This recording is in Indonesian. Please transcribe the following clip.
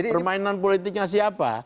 permainan politiknya siapa